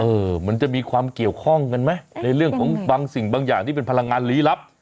มันจะมีความเกี่ยวข้องกันไหมในเรื่องของบางสิ่งบางอย่างที่เป็นพลังงานลี้ลับ